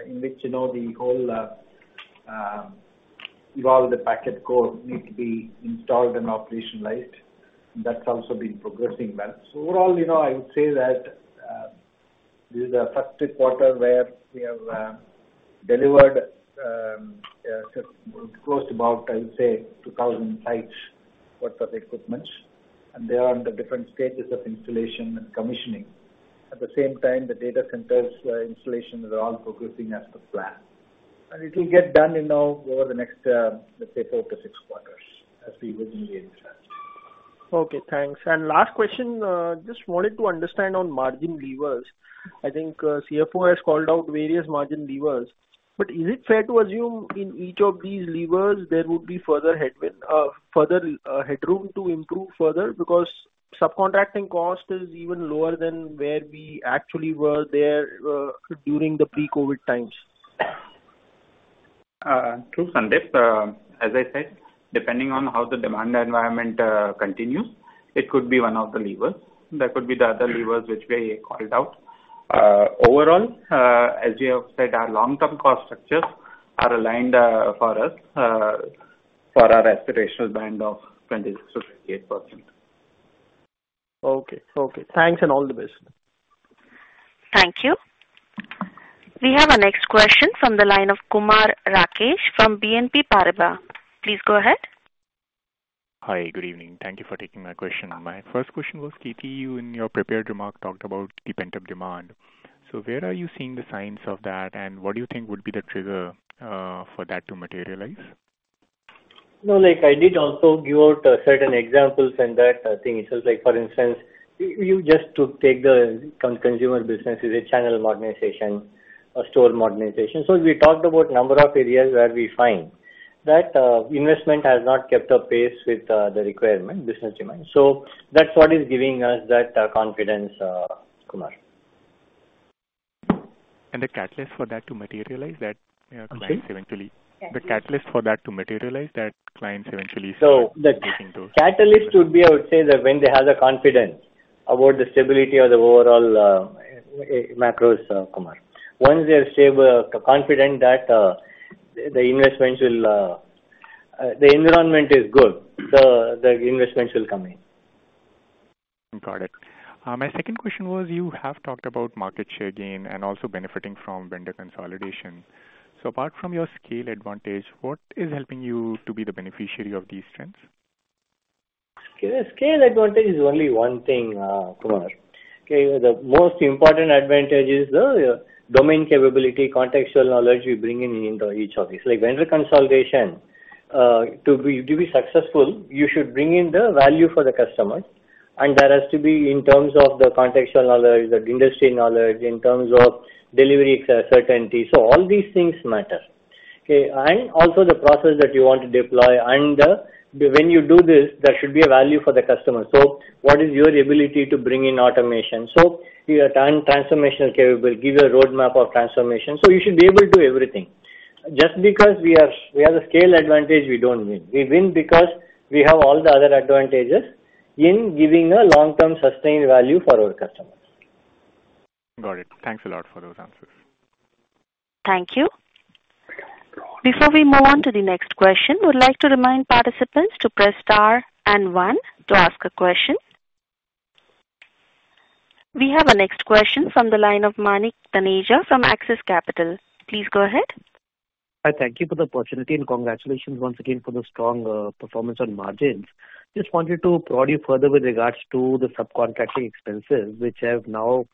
in which, you know, the whole, all the packet core need to be installed and operationalized, that's also been progressing well. So overall, you know, I would say that, this is the first quarter where we have delivered close to about, I would say, 2,000 sites worth of equipments, and they are on the different stages of installation and commissioning. At the same time, the data centers installation are all progressing as per plan. And it will get done in over the next, let's say, 4-6 quarters, as we would be in. Okay, thanks. Last question, just wanted to understand on margin levers. I think, CFO has called out various margin levers. But is it fair to assume in each of these levers, there would be further headwind, further, headroom to improve further? Because subcontracting cost is even lower than where we actually were there, during the pre-COVID times. True, Sandeep. As I said, depending on how the demand environment continues, it could be one of the levers. There could be the other levers which we called out. Overall, as we have said, our long-term cost structures are aligned for us for our aspirational band of 20%-28%. Okay. Okay, thanks and all the best. Thank you. We have our next question from the line of Kumar Rakesh from BNP Paribas. Please go ahead. Hi, good evening. Thank you for taking my question. My first question was, Krithi, you in your prepared remarks, talked about the pent-up demand. So where are you seeing the signs of that, and what do you think would be the trigger for that to materialize? No, like, I did also give out certain examples in that thing. It was like, for instance, you just take the consumer business as a channel modernization or store modernization. So we talked about number of areas where we find that investment has not kept up pace with the requirement, business demand. So that's what is giving us that confidence, Kumar. The catalyst for that to materialize, that clients eventually- I'm sorry? The catalyst for that to materialize, that clients eventually- So the- -taking those. Catalyst would be, I would say, that when they have the confidence about the stability of the overall macros, Kumar. Once they are stable, confident that the investments will... The environment is good, the investments will come in. Got it. My second question was, you have talked about market share gain and also benefiting from vendor consolidation. So apart from your scale advantage, what is helping you to be the beneficiary of these trends? Scale advantage is only one thing, Kumar. Okay, the most important advantage is the domain capability, contextual knowledge we bring in, in each of these. Like, vendor consolidation to be successful, you should bring in the value for the customer, and there has to be in terms of the contextual knowledge, the industry knowledge, in terms of delivery certainty. So all these things matter. Okay, and also the process that you want to deploy, and when you do this, there should be a value for the customer. So what is your ability to bring in automation? So your transformational capability, give you a roadmap of transformation. So you should be able to do everything. Just because we are, we have a scale advantage, we don't win. We win because we have all the other advantages in giving a long-term sustained value for our customers.... Got it. Thanks a lot for those answers. Thank you. Before we move on to the next question, we would like to remind participants to press Star and One to ask a question. We have our next question from the line of Manik Taneja from Axis Capital. Please go ahead. Hi, thank you for the opportunity, and congratulations once again for the strong performance on margins. Just wanted to prod you further with regards to the subcontracting expenses, which are now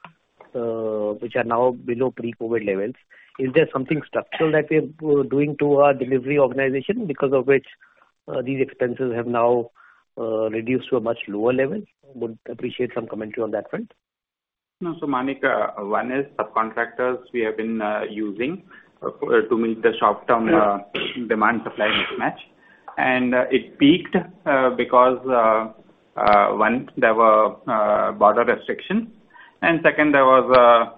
below pre-COVID levels. Is there something structural that we're doing to our delivery organization because of which these expenses have now reduced to a much lower level? Would appreciate some commentary on that front. No. So, Manik, one is subcontractors we have been using to meet the short-term demand-supply mismatch. It peaked because one, there were border restrictions, and second, there was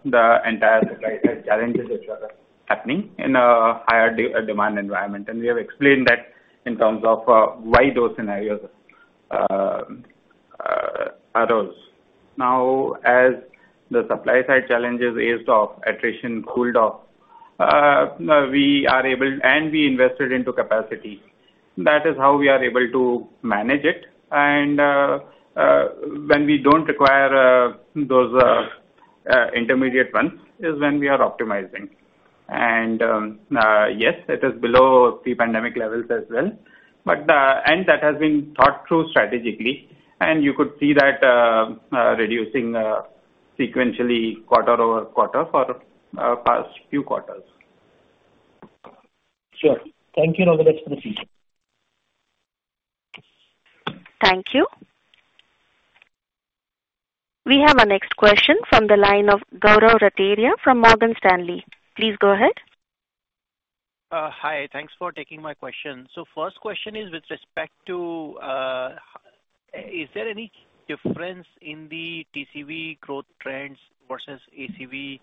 the entire supply side challenges which are happening in a higher demand environment. We have explained that in terms of why those scenarios arose. Now, as the supply side challenges eased off, attrition cooled off, we are able... We invested into capacity. That is how we are able to manage it. When we don't require those intermediate ones, is when we are optimizing. Yes, it is below pre-pandemic levels as well, but and that has been thought through strategically, and you could see that reducing sequentially quarter-over-quarter for past few quarters. Sure. Thank you, and all the best for the future. Thank you. We have our next question from the line of Gaurav Rateria from Morgan Stanley. Please go ahead. Hi, thanks for taking my question. So first question is with respect to, is there any difference in the TCV growth trends versus ACV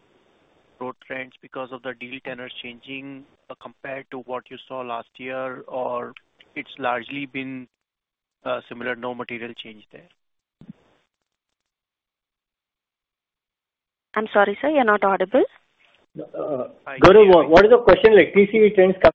growth trends because of the deal tenures changing, compared to what you saw last year, or it's largely been, similar, no material change there? I'm sorry, sir, you're not audible. Gaurav, what is the question? Like TCV trends come-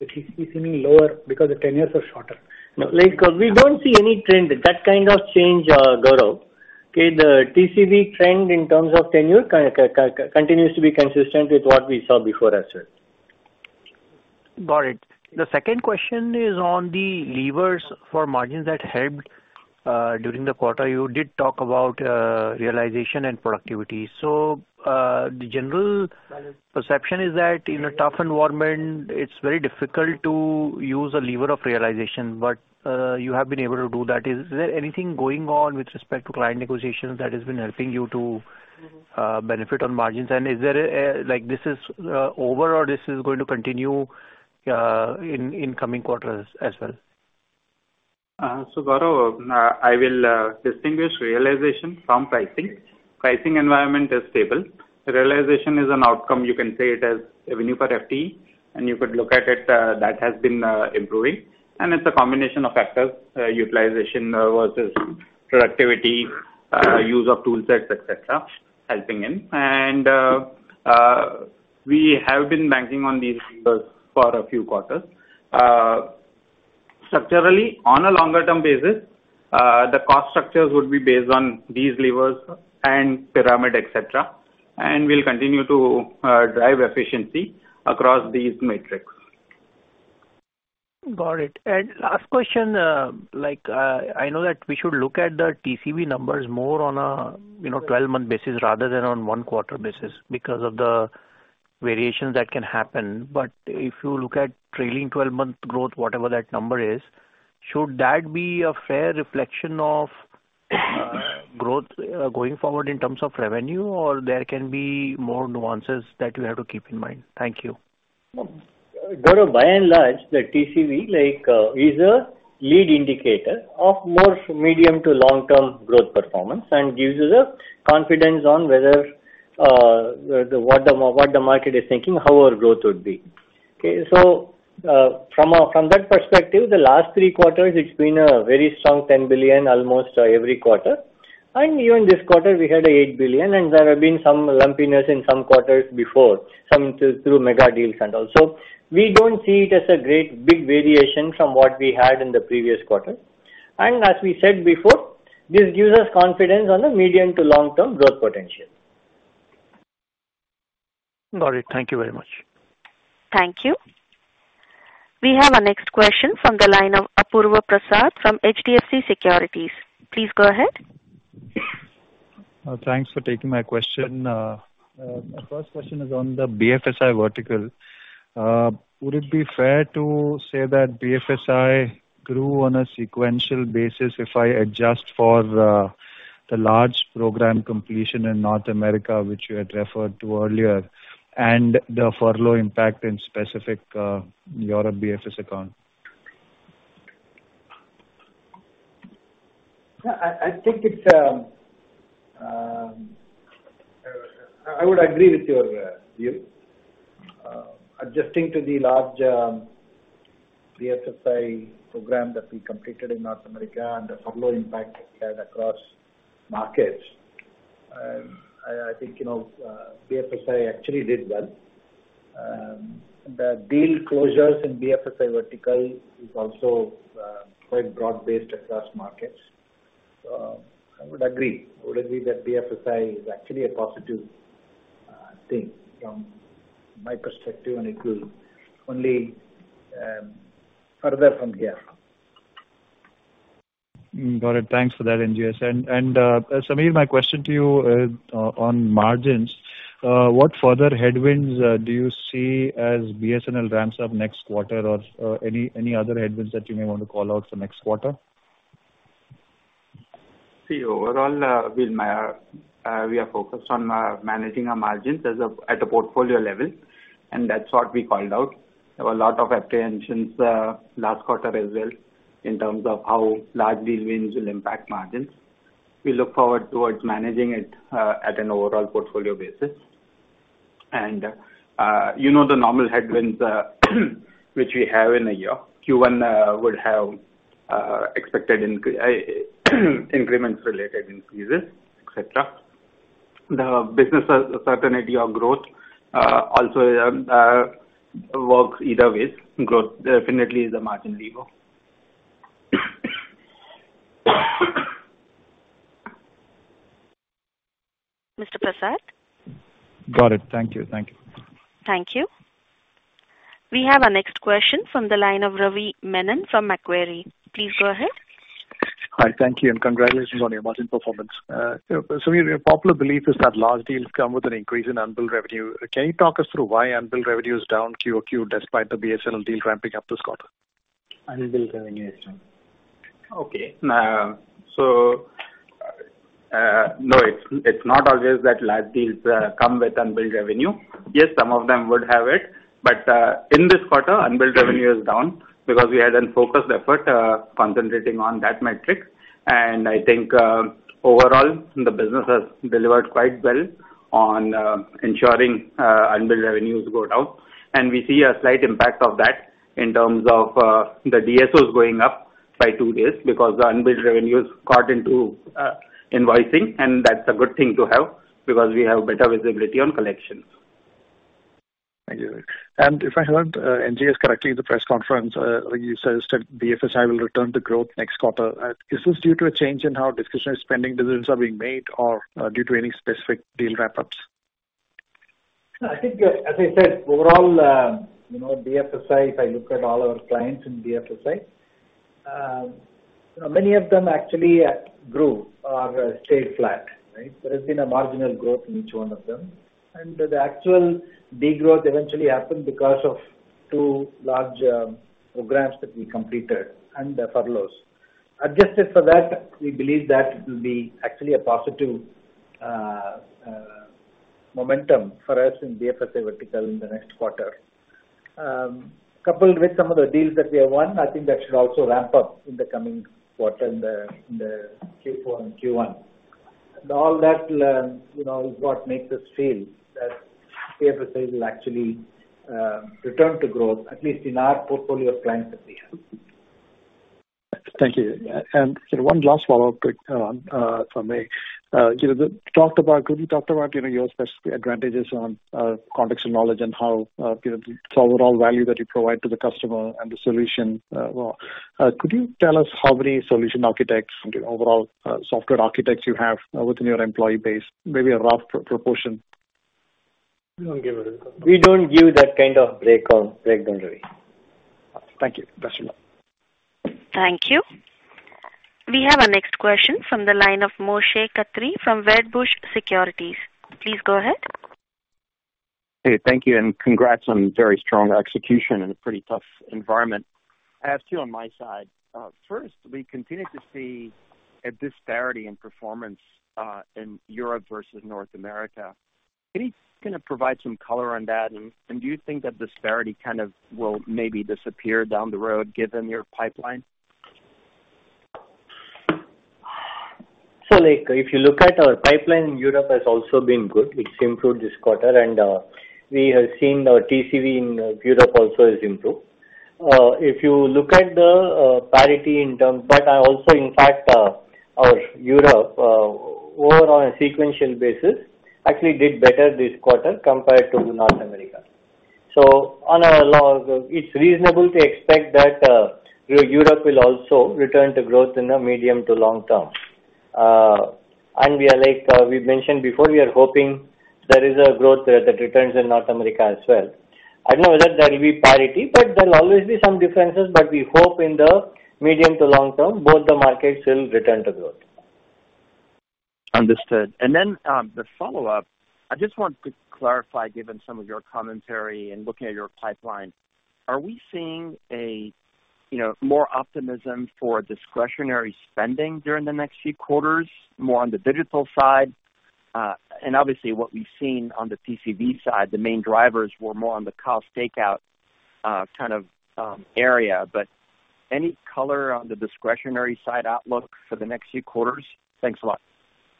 It is seeming lower because the tenures are shorter. No, like, we don't see any trend, that kind of change, Gaurav. Okay, the TCV trend in terms of tenure continues to be consistent with what we saw before as well. Got it. The second question is on the levers for margins that helped during the quarter. You did talk about realization and productivity. So, the general perception is that in a tough environment, it's very difficult to use a lever of realization, but you have been able to do that. Is there anything going on with respect to client negotiations that has been helping you to benefit on margins? And is there a like, this is over or this is going to continue in coming quarters as well? So Gaurav, I will distinguish realization from pricing. Pricing environment is stable. Realization is an outcome. You can say it as revenue per FTE, and you could look at it that has been improving. And it's a combination of factors, utilization versus productivity, use of tool sets, et cetera, helping in. And we have been banking on these levers for a few quarters. Structurally, on a longer term basis, the cost structures would be based on these levers and pyramid, et cetera, and we'll continue to drive efficiency across these metrics. Got it. And last question, like, I know that we should look at the TCV numbers more on a, you know, 12-month basis rather than on 1-quarter basis, because of the variations that can happen. But if you look at trailing 12-month growth, whatever that number is, should that be a fair reflection of, growth, going forward in terms of revenue, or there can be more nuances that you have to keep in mind? Thank you. Gaurav, by and large, the TCV, like, is a lead indicator of more medium to long-term growth performance, and gives you the confidence on whether, what the, what the market is thinking, how our growth would be. Okay, so, from a, from that perspective, the last three quarters, it's been a very strong $10 billion, almost every quarter. And even this quarter, we had $8 billion, and there have been some lumpiness in some quarters before, some through mega deals and all. So we don't see it as a great big variation from what we had in the previous quarter. And as we said before, this gives us confidence on the medium to long-term growth potential. Got it. Thank you very much. Thank you. We have our next question from the line of Apurva Prasad from HDFC Securities. Please go ahead. Thanks for taking my question. My first question is on the BFSI vertical. Would it be fair to say that BFSI grew on a sequential basis if I adjust for the large program completion in North America, which you had referred to earlier, and the furlough impact in specific Europe BFS account? I think it's... I would agree with your view. ...adjusting to the large BFSI program that we completed in North America and the furlough impact that we had across markets, I think, you know, BFSI actually did well. The deal closures in BFSI vertical is also quite broad-based across markets. So I would agree. I would agree that BFSI is actually a positive thing from my perspective, and it will only further from here. Got it. Thanks for that, NGS. And, and, Samir, my question to you, on, on margins, what further headwinds do you see as BSNL ramps up next quarter or, any, any other headwinds that you may want to call out for next quarter? See, overall, we are focused on managing our margins at a portfolio level, and that's what we called out. There were a lot of apprehensions last quarter as well, in terms of how large deal wins will impact margins. We look forward towards managing it at an overall portfolio basis. And you know, the normal headwinds, which we have in a year. Q1 would have expected increments related increases, et cetera. The business certainty of growth also works either way, growth definitely is a margin lever. Mr. Prasad? Got it. Thank you. Thank you. Thank you. We have our next question from the line of Ravi Menon from Macquarie. Please go ahead. Hi. Thank you, and congratulations on your margin performance. Samir, a popular belief is that large deals come with an increase in unbilled revenue. Can you talk us through why unbilled revenue is down QOQ, despite the BSNL deal ramping up this quarter? Unbilled revenue is down. Okay. Now, so, no, it's, it's not always that large deals come with unbilled revenue. Yes, some of them would have it, but, in this quarter, unbilled revenue is down because we had a focused effort, concentrating on that metric. And I think, overall, the business has delivered quite well on, ensuring, unbilled revenues go down. And we see a slight impact of that in terms of, the DSOs going up by two days because the unbilled revenue is caught into, invoicing, and that's a good thing to have because we have better visibility on collections. Thank you. And if I heard, NGS correctly in the press conference, you suggested BFSI will return to growth next quarter. Is this due to a change in how discretionary spending decisions are being made, or due to any specific deal wrap-ups? I think, as I said, overall, you know, BFSI, if I look at all our clients in BFSI, many of them actually grew or stayed flat, right? There has been a marginal growth in each one of them. The actual degrowth eventually happened because of two large programs that we completed and the furloughs. Adjusted for that, we believe that it will be actually a positive momentum for us in BFSI vertical in the next quarter. Coupled with some of the deals that we have won, I think that should also ramp up in the coming quarter, in the Q4 and Q1. All that will, you know, is what makes us feel that BFSI will actually return to growth, at least in our portfolio of clients that we have. Thank you. And one last follow-up quick from me. You know, could you talk about your specific advantages on context and knowledge and how, you know, it's overall value that you provide to the customer and the solution, well. Could you tell us how many solution architects and overall software architects you have within your employee base? Maybe a rough proportion. We don't give it. We don't give that kind of breakout, breakdown, Ravi. Thank you. That's enough. Thank you. We have our next question from the line of Moshe Katri from Wedbush Securities. Please go ahead. Hey, thank you, and congrats on very strong execution in a pretty tough environment. I have two on my side. First, we continue to see a disparity in performance in Europe versus North America. Can you kind of provide some color on that? And do you think that disparity kind of will maybe disappear down the road, given your pipeline? So, like, if you look at our pipeline, Europe has also been good. It's improved this quarter, and, we have seen our TCV in Europe also has improved. If you look at the parity. But also in fact, our Europe, over on a sequential basis, actually did better this quarter compared to North America. So on a log, it's reasonable to expect that, you know, Europe will also return to growth in the medium to long term. And we are like, we mentioned before, we are hoping there is a growth that, that returns in North America as well. I don't know whether there will be parity, but there'll always be some differences, but we hope in the medium to long term, both the markets will return to growth. Understood. And then, the follow-up, I just want to clarify, given some of your commentary and looking at your pipeline, are we seeing a, you know, more optimism for discretionary spending during the next few quarters, more on the digital side? And obviously, what we've seen on the TCV side, the main drivers were more on the cost takeout.... kind of, area, but any color on the discretionary side outlook for the next few quarters? Thanks a lot.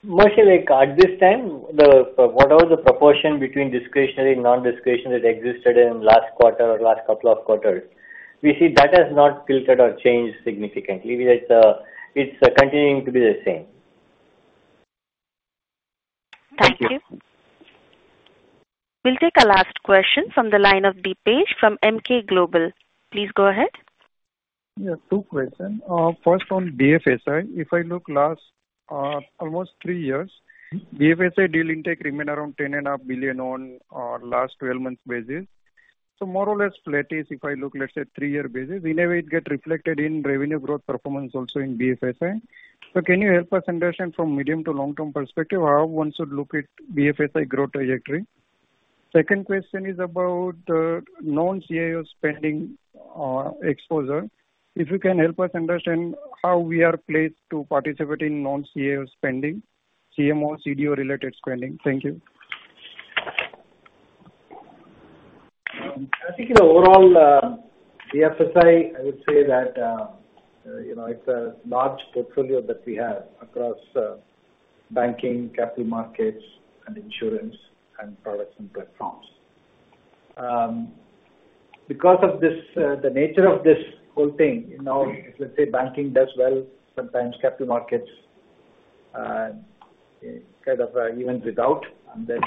Mostly, like, at this time, whatever the proportion between discretionary and non-discretionary that existed in last quarter or last couple of quarters, we see that has not tilted or changed significantly, because it's continuing to be the same. Thank you. We'll take a last question from the line of Dipesh from Emkay Global. Please go ahead. Yeah, two question. First, on BFSI, if I look last, almost three years, BFSI deal intake remain around $10.5 billion on, last 12 months basis. So more or less flattish, if I look, let's say, three-year basis, whenever it get reflected in revenue growth performance also in BFSI. So can you help us understand from medium to long-term perspective, how one should look at BFSI growth trajectory? Second question is about, non-CIO spending, exposure. If you can help us understand how we are placed to participate in non-CIO spending, CMO, CDO-related spending. Thank you. I think in overall, BFSI, I would say that, you know, it's a large portfolio that we have across, banking, capital markets and insurance and products and platforms. Because of this, the nature of this whole thing, you know, let's say banking does well, sometimes capital markets, kind of, evens it out. And then,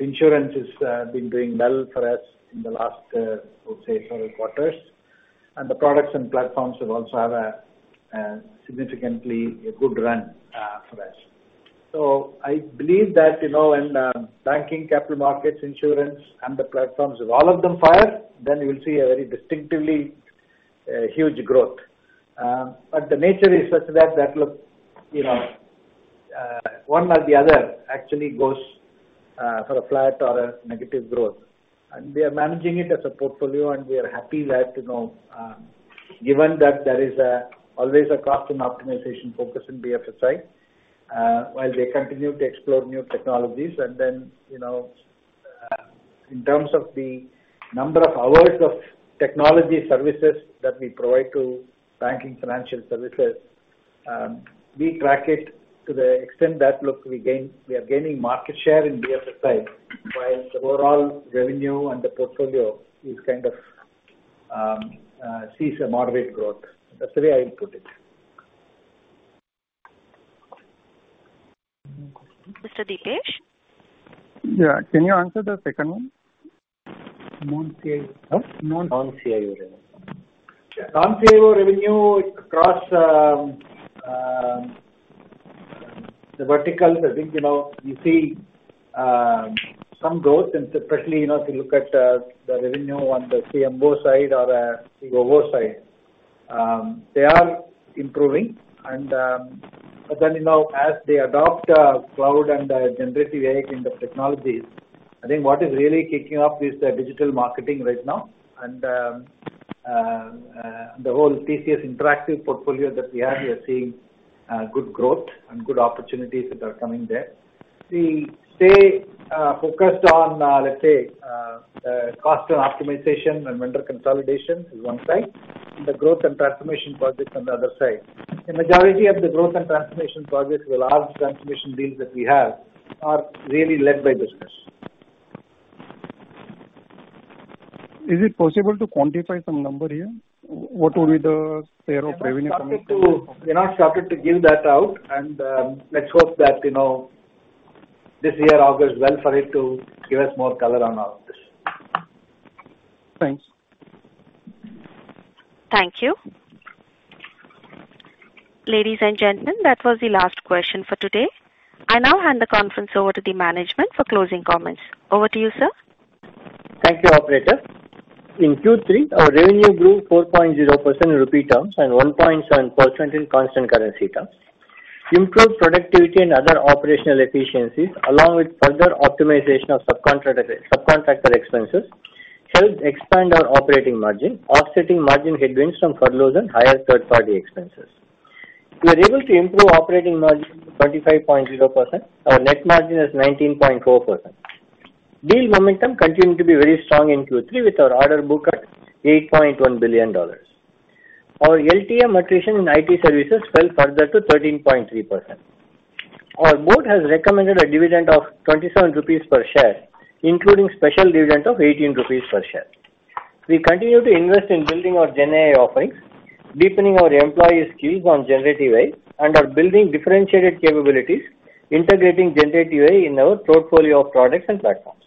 insurance has, been doing well for us in the last, I would say, several quarters. And the products and platforms will also have a, significantly a good run, for us. So I believe that, you know, when, banking, capital markets, insurance, and the platforms, if all of them fire, then you will see a very distinctively, huge growth. But the nature is such that look, you know, one or the other actually goes for a flat or a negative growth. And we are managing it as a portfolio, and we are happy that, you know, given that there is always a cost and optimization focus in BFSI, while we continue to explore new technologies, and then, you know, in terms of the number of hours of technology services that we provide to banking financial services, we track it to the extent that, look, we gain we are gaining market share in BFSI, while the overall revenue and the portfolio is kind of sees a moderate growth. That's the way I would put it. Mr. Dipesh? Yeah. Can you answer the second one? Non-CIO. Huh? Non-CIO revenue. Non-CIO revenue, across the verticals, I think, you know, we see some growth, and especially, you know, if you look at the revenue on the CMO side or COO side. They are improving and, but then, you know, as they adopt cloud and generative AI kind of technologies, I think what is really kicking off is the digital marketing right now. And the whole TCS Interactive portfolio that we have, we are seeing good growth and good opportunities that are coming there. We stay focused on, let's say, cost optimization and vendor consolidation is one side, and the growth and transformation projects on the other side. The majority of the growth and transformation projects, the large transformation deals that we have, are really led by business. Is it possible to quantify some number here? What will be the share of revenue- We're not started to give that out, and let's hope that, you know, this year augurs well for it to give us more color on all of this. Thanks. Thank you. Ladies and gentlemen, that was the last question for today. I now hand the conference over to the management for closing comments. Over to you, sir. Thank you, operator. In Q3, our revenue grew 4.0% in rupee terms and 1.7% in constant currency terms. Improved productivity and other operational efficiencies, along with further optimization of subcontractor expenses, helped expand our operating margin, offsetting margin headwinds from furloughs and higher third-party expenses. We are able to improve operating margin to 35.0%. Our net margin is 19.4%. Deal momentum continued to be very strong in Q3, with our order book at $8.1 billion. Our LTM attrition in IT services fell further to 13.3%. Our board has recommended a dividend of 27 rupees per share, including special dividend of 18 rupees per share. We continue to invest in building our GenAI offerings, deepening our employees' skills on generative AI, and are building differentiated capabilities, integrating generative AI in our portfolio of products and platforms.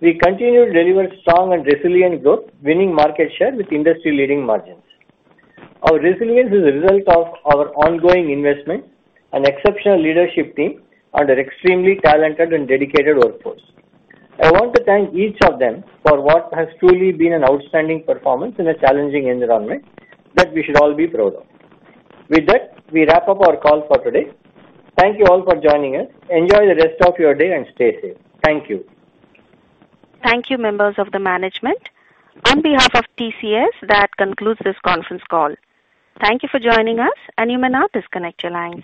We continue to deliver strong and resilient growth, winning market share with industry-leading margins. Our resilience is a result of our ongoing investment, an exceptional leadership team, and an extremely talented and dedicated workforce. I want to thank each of them for what has truly been an outstanding performance in a challenging environment that we should all be proud of. With that, we wrap up our call for today. Thank you all for joining us. Enjoy the rest of your day and stay safe. Thank you. Thank you, members of the management. On behalf of TCS, that concludes this conference call. Thank you for joining us, and you may now disconnect your lines.